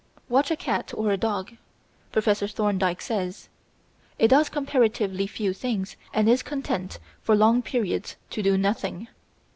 Watch a cat or a dog, Professor Thorndike says; it does comparatively few things and is content for long periods to do nothing.